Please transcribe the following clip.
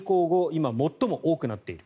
今、最も多くなっている。